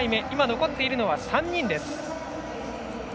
残っているのは３人です。